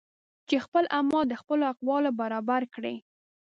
خپل اعمال د خپلو اقوالو برابر کړئ